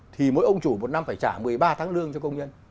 thì mỗi ông chủ một năm phải trả một mươi ba tháng lương cho công nhân